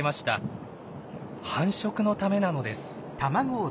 繁殖のためなのです。